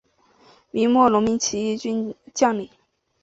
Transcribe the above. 明末农民起义军将领。